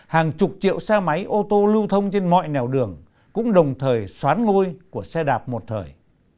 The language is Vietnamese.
hàng chục triệu xe máy ô tô lưu thông trên mọi nèo đường cũng đồng thời xoán ngôi của xe đạp một thời